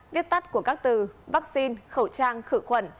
viết tắt của các từ vaccine khẩu trang khử khuẩn